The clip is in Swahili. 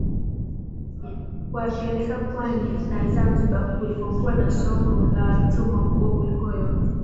kuwapeleka pwani na Zanzibar kulikokuwa na soko la watumwa kubwa kuliko yote